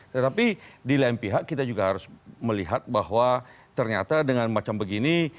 tetapi di lain pihak kita juga harus melihat bahwa ternyata dengan macam begini